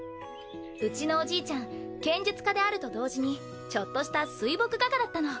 うちのおじいちゃん剣術家であると同時にちょっとした水墨画家だったの。